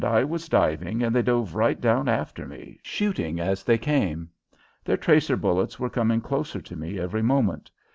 I was diving and they dove right down after me, shooting as they came. Their tracer bullets were coming closer to me every moment.